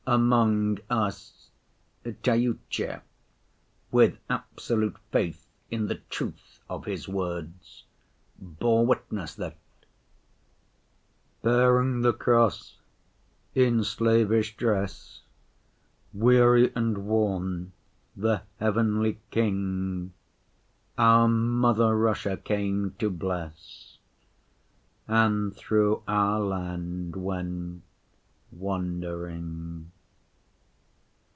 Among us, Tyutchev, with absolute faith in the truth of his words, bore witness that Bearing the Cross, in slavish dress, Weary and worn, the Heavenly King Our mother, Russia, came to bless, And through our land went wandering.